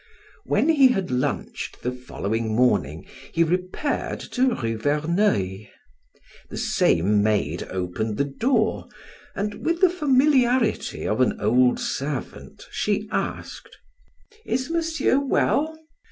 When he had lunched the following morning he repaired to Rue Verneuil. The same maid opened the door, and with the familiarity of an old servant she asked: "Is Monsieur well?"